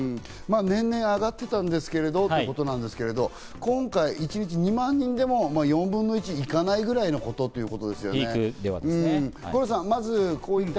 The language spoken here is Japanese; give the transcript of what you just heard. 年々上がってたんですけどということなんですが、今回、一日２万人でも４分の１いかないぐらいのことということですね。